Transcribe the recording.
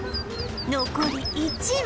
残り１羽